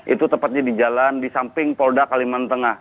itu tepatnya di jalan di samping polda kalimantengah